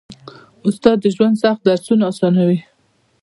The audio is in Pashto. استاد د ژوند سخت درسونه اسانوي.